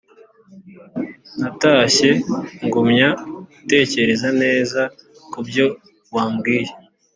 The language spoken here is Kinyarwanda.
natashye ngumya gutekereza neza kubyo wabwiye